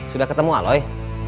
sudah ketemu aloy